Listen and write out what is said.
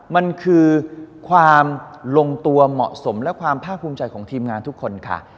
มันคือความลงตัวเหมาะสมและความภาคภูมิใจของทีมงานทุกคนค่ะ